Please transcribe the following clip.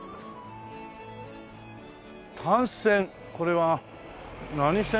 単線これは何線？